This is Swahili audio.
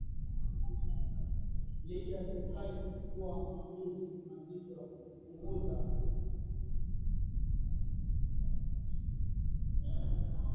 licha ya serikali kuchukua maamuzi mazito ya kupunguza